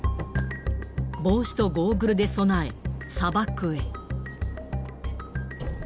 帽子とゴーグルで備え、砂漠へ。